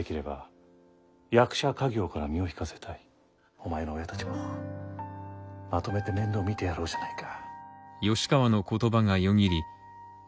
お前の親たちもまとめて面倒見てやろうじゃないか。